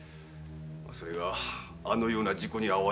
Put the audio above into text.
それがあのような事故に遭われるとは。